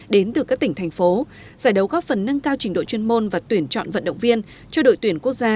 đến từ các tỉnh thành phố giải đấu góp phần nâng cao trình độ chuyên môn và tuyển chọn vận động viên cho đội tuyển quốc gia